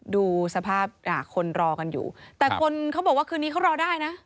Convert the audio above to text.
ดูสภาพคนรอกันอยู่แต่คนเขาบอกว่าคืนนี้เขารอได้นะ